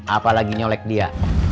apalagi nyelek dia